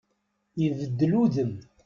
Ibeddel udem.